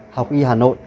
học y hà nội